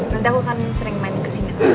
nanti aku kan sering main ke sini